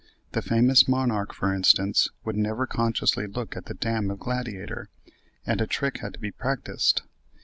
The famous Monarque, for instance, would never consciously look at the dam of Gladiateur, and a trick had to be practised.